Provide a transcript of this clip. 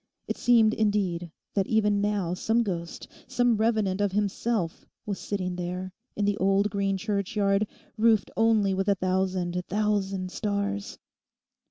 It seemed, indeed, that even now some ghost, some revenant of himself was sitting there, in the old green churchyard, roofed only with a thousand thousand stars.